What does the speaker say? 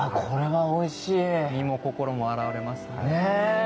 これはおいしい身も心も洗われますねねえ